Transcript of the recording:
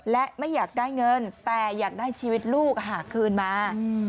และไม่อยากได้เงินแต่อยากได้ชีวิตลูกคืนมา